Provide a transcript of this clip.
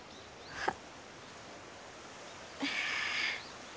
あっ！